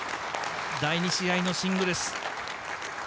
第２試合のシングルス。